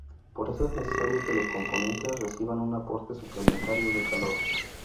Por eso es necesario que los componentes reciban un aporte suplementario de calor.